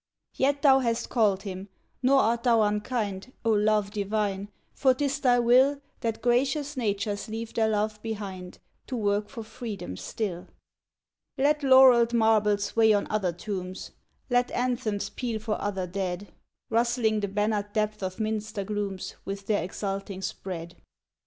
Yet thou hast called him, nor art thou unkind, O Love Divine, for 'tis thy will That gracious natures leave their love behind To work for Freedom still. Let laurelled marbles weigh on other tombs, Let anthems peal for other dead, Rustling the bannered depth of minster glooms With their exulting spread.